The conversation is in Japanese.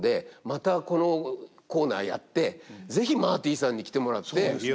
またこのコーナーやって是非マーティさんに来てもらって。